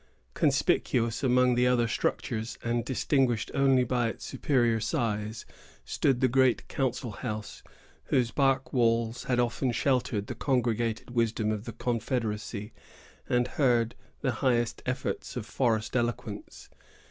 Conspicuous among the other structures, and distinguished only by its superior size, stood the great council house, whose bark walls had often sheltered the congregated wisdom of the confederacy, and heard the highest efforts of forest eloquence.